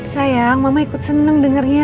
sayang mama ikut seneng dengernya